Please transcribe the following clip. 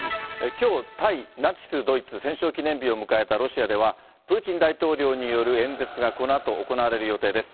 きょう、対ナチス・ドイツ戦勝記念日を迎えたロシアでは、プーチン大統領による演説がこのあと行われる予定です。